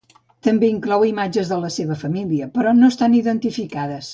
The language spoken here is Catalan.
També inclou imatges de la seva família, però no estan identificades.